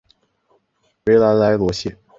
维兰莱罗谢。